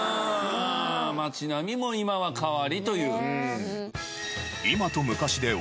街並みも今は変わりという。